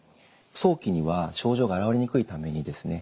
早期には症状が現れにくいためにですね